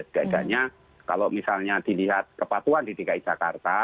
tidak adanya kalau misalnya dilihat kepatuan di dki jakarta